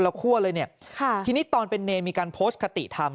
คั่วเลยเนี่ยค่ะทีนี้ตอนเป็นเนรมีการโพสต์คติธรรม